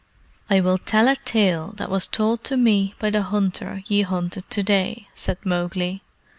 "I will tell a tale that was told to me by the hunter ye hunted to day," said Mowgli.